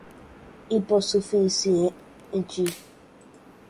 hipossuficiente